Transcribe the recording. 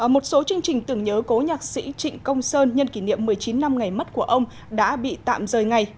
một số chương trình tưởng nhớ cố nhạc sĩ trịnh công sơn nhân kỷ niệm một mươi chín năm ngày mất của ông đã bị tạm rời ngay